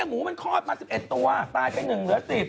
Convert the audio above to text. หมูมันคอดมา๑๑ตัวตายก็เป็นหนึ่งเหลือ๑๐